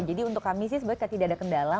jadi untuk kami sih sebaiknya tidak ada kendala